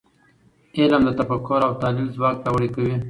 علم د تفکر او تحلیل ځواک پیاوړی کوي .